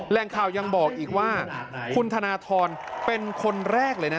แรงข่าวยังบอกอีกว่าคุณธนทรเป็นคนแรกเลยนะ